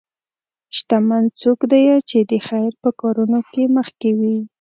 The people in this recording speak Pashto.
شتمن څوک دی چې د خیر په کارونو کې مخکې وي.